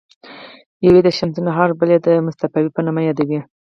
یوه یې د شمس النهار او بله یې د مصطفاوي په نامه یادیده.